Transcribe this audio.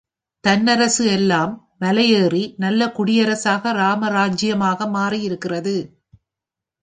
தன்னரசு எல்லாம் மலை ஏறி நல்ல குடியரசாக ராமராஜ்யமாக மாறியிருக்கிறது.